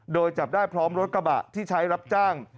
โดยจับได้พร้อมรถกระบะที่ใช้รับจ้าง